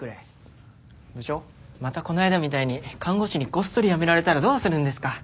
部長またこの間みたいに看護師にごっそり辞められたらどうするんですか。